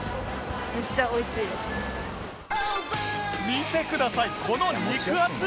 見てくださいこの肉厚！